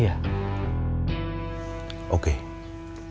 jadi aku kalau mau mencari bubun